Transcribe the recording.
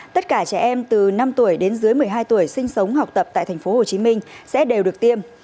tất cả trẻ em từ năm tuổi đến dưới một mươi hai tuổi sinh sống học tập tại tp hcm sẽ đều được tiêm